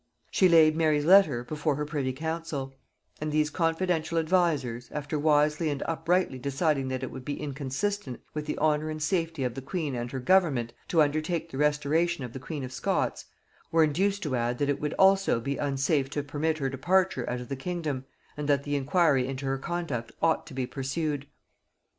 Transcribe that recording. She laid Mary's letter before her privy council; and these confidential advisers, after wisely and uprightly deciding that it would be inconsistent with the honor and safety of the queen and her government to undertake the restoration of the queen of Scots, were induced to add, that it would also be unsafe to permit her departure out of the kingdom, and that the inquiry into her conduct ought to be pursued.